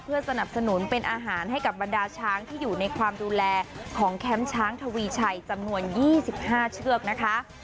สนับสนุนเป็นอาหารให้กับบรรดาช้างที่อยู่ในความดูแลของแคมป์ช้างทวีชัยจำนวน๒๕เชือกนะคะ